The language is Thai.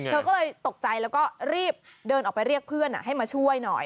เธอก็เลยตกใจแล้วก็รีบเดินออกไปเรียกเพื่อนให้มาช่วยหน่อย